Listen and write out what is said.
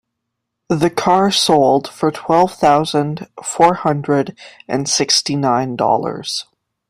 The car sold for twelve thousand four hundred and sixty nine dollars.